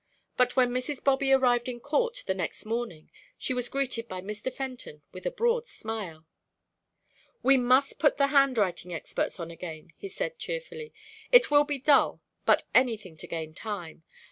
But when Mrs. Bobby arrived in court the next morning, she was greeted by Mr. Fenton with a broad smile. "We must put the handwriting experts on again," he said, cheerfully. "It will be dull, but anything to gain time.